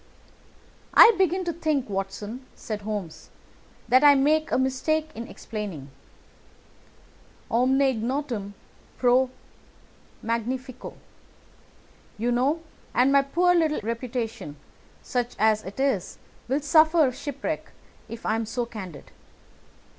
"I begin to think, Watson," said Holmes, "that I make a mistake in explaining. 'Omne ignotum pro magnifico,' you know, and my poor little reputation, such as it is, will suffer shipwreck if I am so candid.